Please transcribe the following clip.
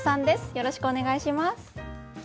よろしくお願いします。